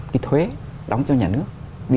cái thuế đóng cho nhà nước